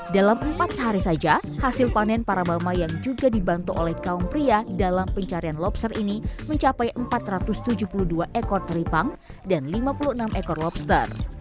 dalam empat hari saja hasil panen parabama yang juga dibantu oleh kaum pria dalam pencarian lobster ini mencapai empat ratus tujuh puluh dua ekor teripang dan lima puluh enam ekor lobster